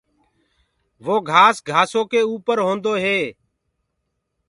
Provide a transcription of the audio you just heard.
وو گھآس گھآسو ڪي اُپر هوندو هي۔